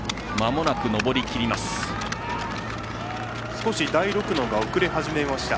少し大六野が遅れ始めました。